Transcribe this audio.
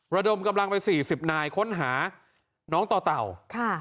ระดมกำลังไป๔๐นายค้นหาน้องต่อเต่า